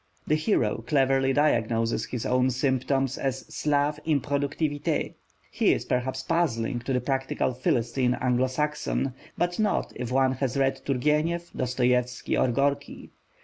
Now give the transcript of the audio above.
The hero cleverly diagnoses his own symptoms as Slave Improductivité. He is perhaps puzzling to the practical Philistine Anglo Saxon: but not if one has read Turgenev, Dostoievsky, or Gorky.